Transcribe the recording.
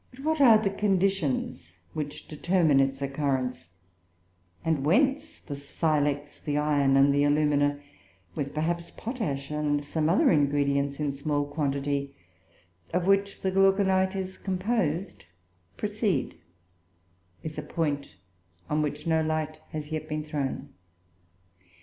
But what are the conditions which determine its occurrence, and whence the silex, the iron, and the alumina (with perhaps potash and some other ingredients in small quantity) of which the Glauconite is composed, proceed, is a point on which no light has yet been thrown.